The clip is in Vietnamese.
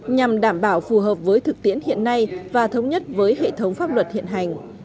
nhằm đảm bảo phù hợp với thực tiễn hiện nay và thống nhất với hệ thống pháp luật hiện hành